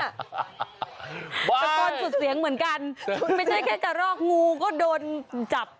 ตะโกนสุดเสียงเหมือนกันไม่ใช่แค่กระรอกงูก็โดนจับ